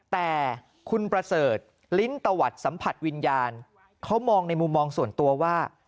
แต่คุณประเสริฐลิ้นตะวัดสัมผัสวิญญาณเขามองในมุมมองส่วนตัวว่า